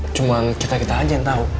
cuma kita kita aja yang tahu